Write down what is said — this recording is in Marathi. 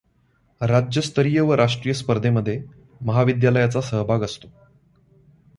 राज्यस्तरीय व राष्ट्रीय स्पर्धेमधे महविद्यालयाचा सहभाग असतो.